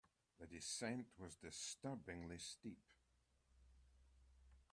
The descent was disturbingly steep.